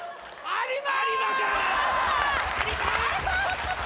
有馬！